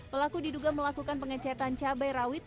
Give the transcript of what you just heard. pelaku diduga melakukan pengecetan cabai rawit